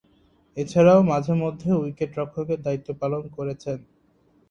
এছাড়াও মাঝে-মধ্যে উইকেট-রক্ষকের দায়িত্ব পালন করেছেন।